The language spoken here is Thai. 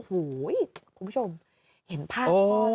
โหยคุณผู้ชมเห็นผ้าของคุมพ่อนะ